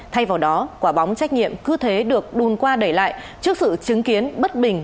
thay vào đó quả bóng trách nhiệm cứ thế được đun qua để lại trước sự chứng kiến bất bình